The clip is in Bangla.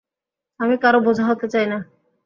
আমি কারও বোঁঝা হতে চাই না।